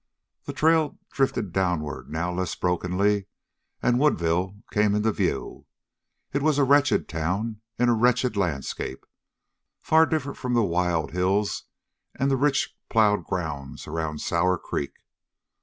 The trail drifted downward now less brokenly, and Woodville came into view. It was a wretched town in a wretched landscape, far different from the wild hills and the rich plowed grounds around Sour Creek.